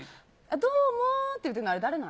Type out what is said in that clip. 違う、どうもって言うてんの、あれ、誰なん？